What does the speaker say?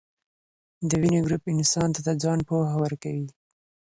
دویني ګروپ انسان ته د ځان پوهه ورکوي.